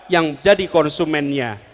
yang jadi konsumennya